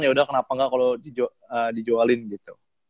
yaudah kenapa gak kalo dijualin gitu